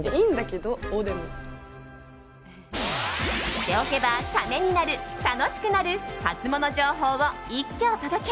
知っておけばためになる楽しくなるハツモノ情報を一挙お届け！